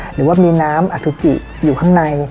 หรือว่ามีน้ำอสุกิอยู่ข้างใน